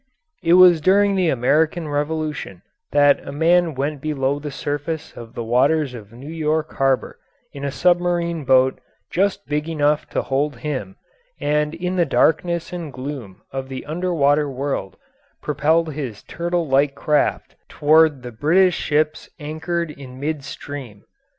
It was during the American Revolution that a man went below the surface of the waters of New York Harbour in a submarine boat just big enough to hold him, and in the darkness and gloom of the under water world propelled his turtle like craft toward the British ships anchored in mid stream.